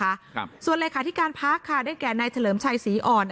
ครับส่วนเลขาธิการพักค่ะได้แก่นายเฉลิมชัยศรีอ่อน